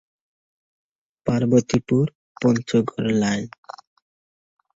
Parbatipur-Panchagarh line